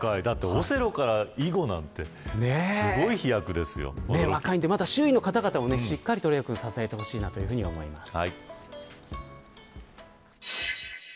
オセロから囲碁なんて若いんでまだ周囲の方々もしっかりと怜央くんを支えてほしいなと思います。